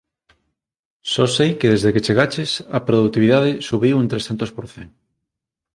Só sei que desde que chegaches, a produtividade subiu un trescentos por cen.